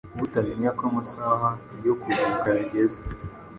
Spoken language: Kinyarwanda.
butamenya ko amasaha yo kuruhuka yageze